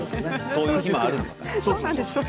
そういう日もあるんですよ。